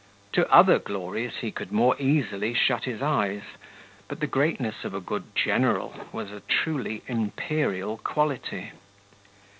To other glories he could more easily shut his eyes, but the greatness of a good general was a truly imperial quality.